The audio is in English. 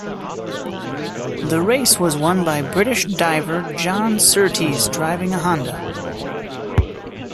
The race was won by British driver John Surtees driving a Honda.